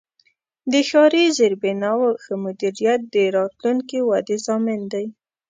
د ښاري زیربناوو ښه مدیریت د راتلونکې ودې ضامن دی.